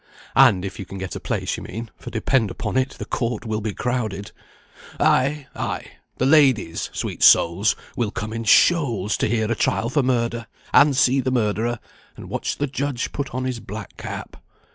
"And if you can get a place, you mean, for depend upon it the court will be crowded." "Ay, ay, the ladies (sweet souls) will come in shoals to hear a trial for murder, and see the murderer, and watch the judge put on his black cap."